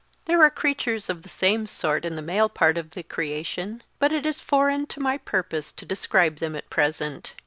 There are creatures of the same sort in the male part of the creation, but it is foreign to my purpose to describe them at present.